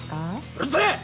うるせぇ！